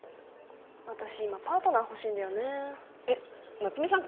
私今パートナー欲しいんだよねえっ夏目さん